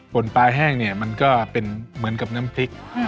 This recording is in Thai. ปลาแห้งเนี่ยมันก็เป็นเหมือนกับน้ำพริก